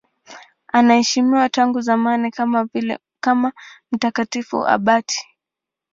Anaheshimiwa tangu zamani kama mtakatifu abati.